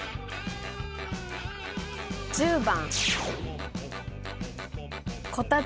１０番。